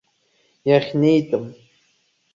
Иахьнеитәым.